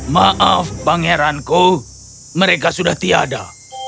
maaf pangeranku mereka sudah tiada